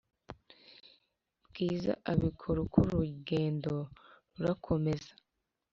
bwiza abikora uko urugendo rurakomeza